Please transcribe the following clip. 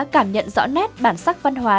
cảm nhận rõ nét bản sắc văn hóa